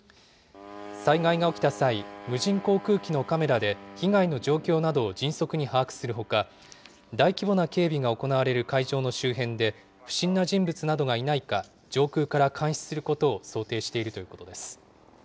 災害が起きた際、無人航空機のカメラで被害の状況などを迅速に把握するほか、大規模な警備が行われる会場の周辺で、不審な人物などがいないか、上空から監視することを想定しているということです。